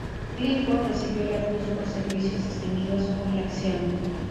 Clifford recibió la Cruz por Servicios Distinguidos por la acción.